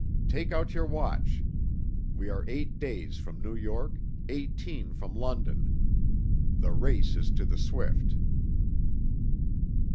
Take out your watch. We are eight days from New York, eighteen from London. The race is to the swift.